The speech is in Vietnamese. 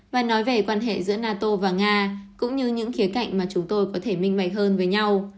và nói về quan hệ giữa nato và nga cũng như những khía cạnh mà chúng tôi có thể minh mệch hơn với nhau